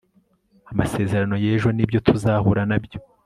amasezerano y'ejo nibyo tuzahura nabyo